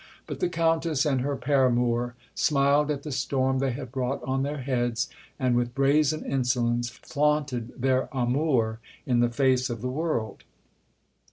But the Countess and her paramour smiled at the storm they had brought on their heads, and with brazen insolence flaunted their amour in the face of the world.